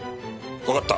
わかった。